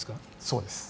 そうです。